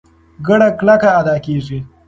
ګړه کلکه ادا کېږي.